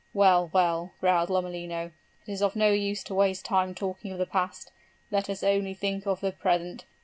'Well, well,' growled Lomellino, 'it is no use to waste time talking of the past: let us only think of the present.